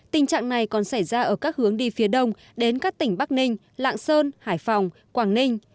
tình trạng này còn xảy ra ở các hướng đi phía đông đến các tỉnh bắc ninh lạng sơn hải phòng quảng ninh